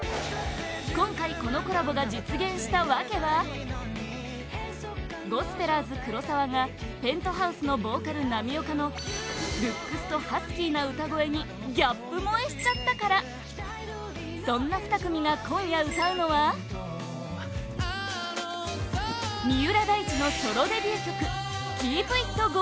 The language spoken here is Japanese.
今回、このコラボが実現した訳はゴスペラーズ黒沢がＰｅｎｔｈｏｕｓｅのボーカル浪岡のルックスとハスキーな歌声にギャップ萌えしちゃったからそんな２組が今夜歌うのは三浦大知のソロデビュー曲「ＫｅｅｐＩｔＧｏｉｎ